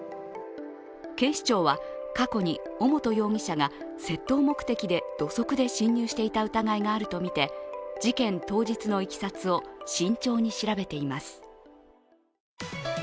警視庁は過去に尾本容疑者が窃盗目的で土足で侵入していた疑いがあるとみて事件当日のいきさつを慎重に調べています。